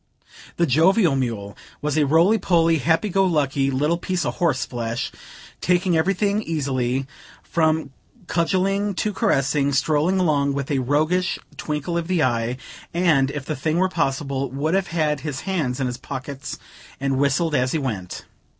The jovial mule was a roly poly, happy go lucky little piece of horse flesh, taking everything easily, from cudgeling to caressing; strolling along with a roguish twinkle of the eye, and, if the thing were possible, would have had his hands in his pockets, and whistled as he went.